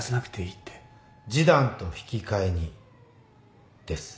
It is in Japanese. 示談と引き換えにです。